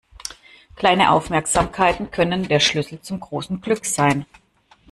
Kleine Aufmerksamkeiten können der Schlüssel zum großen Glück sein.